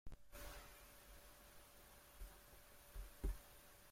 Al parecer, sus cartas estaban destinadas a un público general.